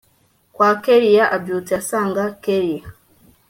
kwa kellia abyutse asanga kellia